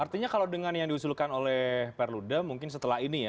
artinya kalau dengan yang diusulkan oleh perludem mungkin setelah ini ya